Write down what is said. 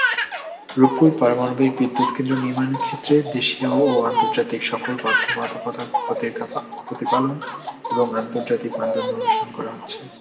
রূপপুর পারমাণবিক বিদ্যুৎ কেন্দ্র নির্মাণের ক্ষেত্রে দেশীয় ও আন্তর্জাতিক সকল বাধ্যবাধকতা প্রতিপালন এবং আন্তর্জাতিক মানদন্ড অনুসরণ করা হচ্ছে।